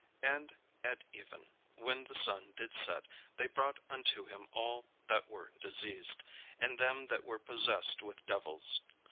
And at even, when the sun did set, they brought unto him all that were diseased, and them that were possessed with devils.